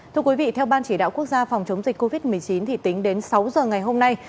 thưa quý vị theo ban chỉ đạo quốc gia phòng chống dịch covid một mươi chín thì tính đến sáu giờ ngày hôm nay